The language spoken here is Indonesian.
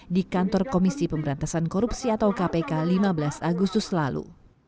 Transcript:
di kantor komisi pemberantasan korupsi atau kpk lima belas agustus lalu